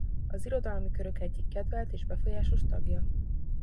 Az irodalmi körök egyik kedvelt és befolyásos tagja.